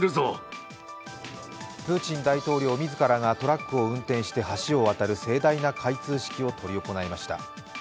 プーチン大統領自らがトラックを運転して橋を渡る盛大な開通式を執り行いました。